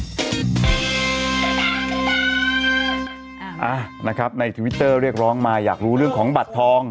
อ่ะนะครับในทวิตเตอร์เรียกร้องมาอยากรู้เรื่องของบัตรทอง